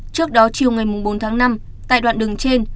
trước đó chiều ngày bốn tháng năm tại đoạn đường trên